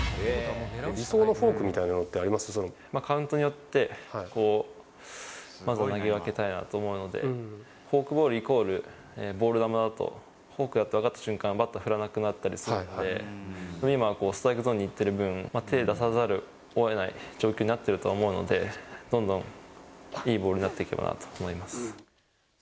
理想のフォークみたいなのっカウントによって、まず投げ分けたいなと思うので、フォークボールイコールボール球だと、フォークだと分かった瞬間、バッター振らなくなったりするんで、今はストライクゾーンにいってる分、手出さざるをえない状況になってるとは思うので、どんどんいいボールになっていけばなと思います。